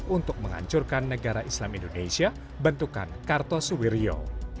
untuk menghancurkan negara islam indonesia bentukan kartos wirjo